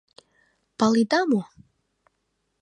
Паледа мо...